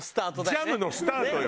ジャムのスタートよ。